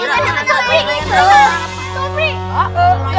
ada layangannya sofie